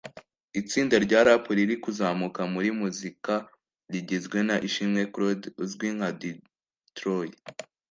itsinda rya Rap riri kuzamuka muri muzika rigizwe na Ishimwe Claude uzwi nka D-Troy